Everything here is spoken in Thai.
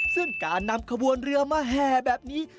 ซึ่งการนำขบวนเรือมาแห่แบบนี้